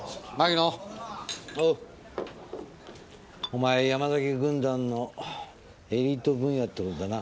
お前山崎軍団のエリートブンヤって事だな。